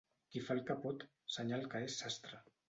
Qui fa el que pot, senyal que és sastre.